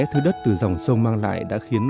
thứ đất từ dòng sông mang lại đã khiến